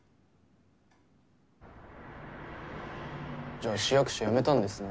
じゃあ市役所辞めたんですね。